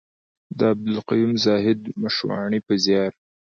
د عبدالقيوم زاهد مشواڼي په زيار.